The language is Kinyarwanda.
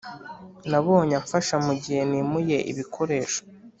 nabonye amfasha mugihe nimuye ibikoresho.